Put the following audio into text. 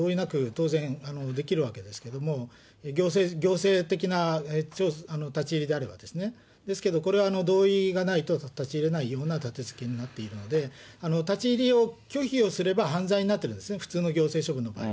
これも通常は立ち入り検査というのは、同意なく当然できるわけですけれども、行政的な立ち入りであればですね、ですけど、これは同意がないと立ち入れないようなたてつけになっているので、立ち入りを拒否をすれば犯罪になって、普通の行政処分の場合。